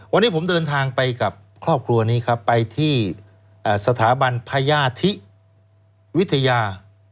วันนี้ผมเดินทางไปกับครอบครัวนี้ครับไปที่สถาบันพญาธิวิทยา